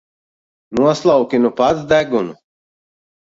Noslauki nu pats degunu!